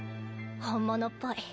本物っぽい。